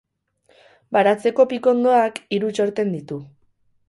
Baratzeko pikondoak hiru txorten ditu